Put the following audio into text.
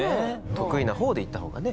得意な方でいった方がね。